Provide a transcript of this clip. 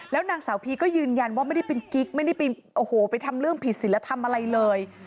แล้วนางสาวพีก็ยืนยันว่าไม่ได้เป็นกิ๊กไม่ได้ไปโอ้โหไปทำเรื่องผิดศิลธรรมอะไรเลย